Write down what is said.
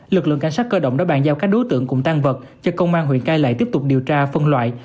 lực lượng cảnh sát cơ động đã bàn giao các đối tượng cùng tan vật cho công an huyện cai lệ tiếp tục điều tra phân loại